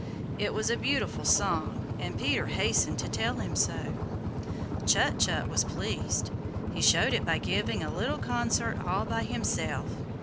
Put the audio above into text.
It was a beautiful song and Peter hastened to tell him so. Chut Chut was pleased. He showed it by giving a little concert all by himself.